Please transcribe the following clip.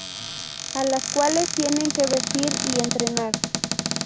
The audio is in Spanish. A las cuales tienes que vestir y entrenar.